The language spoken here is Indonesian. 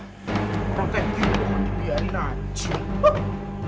rakyat ini juga dibiarin aja